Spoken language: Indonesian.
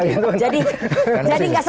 jadi gak semudah itu mas